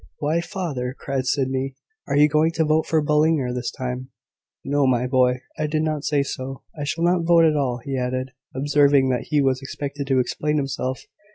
"Why, father!" cried Sydney, "are you going to vote for Ballinger this time?" "No, my boy. I did not say so. I shall not vote at all," he added, observing that he was expected to explain himself.